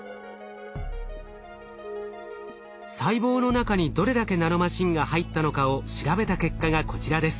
細胞の中にどれだけナノマシンが入ったのかを調べた結果がこちらです。